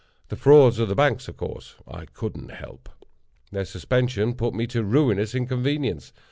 The frauds of the banks of course I couldn't help. Their suspension put me to ruinous inconvenience.